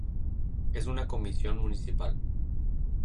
Es una Comisión Municipal.